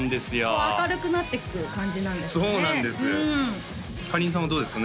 こう明るくなっていく感じなんですかねそうなんですかりんさんはどうですか？